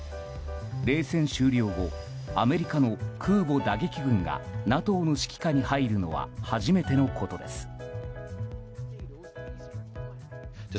冷戦終了後アメリカの空母打撃群がＮＡＴＯの指揮下に入るのは初めてのことです。